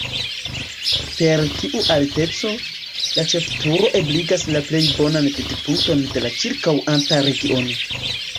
Per tiu alteco, la ĉefturo ebligas la plej bonan vidpunkton de la ĉirkaŭanta regiono.